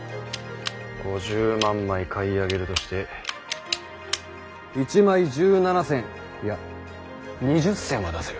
５０万枚買い上げるとして１枚１７銭いや２０銭は出せる。